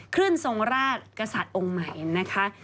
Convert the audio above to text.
ทรงราชกษัตริย์องค์ใหม่นะคะ